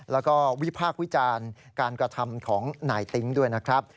แล้วก็วิพากษ์วิจารณ์การกระทำของนายติ๊งด้วยนะครับ